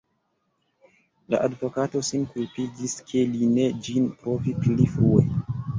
La advokato sin kulpigis, ke li ne ĝin provi pli frue.